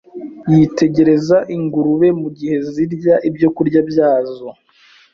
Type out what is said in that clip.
yitegereza ingurube mu gihe zirya ibyokurya byazo